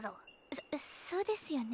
そそうですよね。